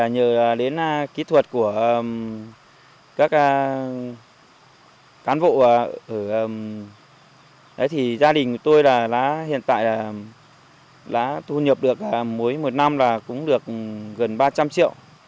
nhờ đến kỹ thuật của các cán bộ thì gia đình tôi hiện tại là thu nhập được mỗi một năm là cũng được gần ba trăm linh triệu